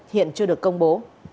hiện chưa được công bố